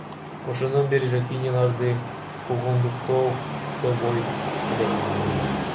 Ошондон бери рохиняларды куугунтуктоо токтобой келет.